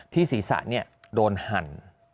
ที่ศีรษะโดนหัน